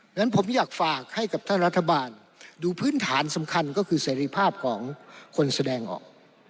งั้นผมอยากฝากให้กับท่านรัฐบาลดูพื้นฐานสำคัญก็คือเสรีภาพของคนแสดงออก